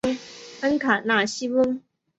恩卡纳西翁。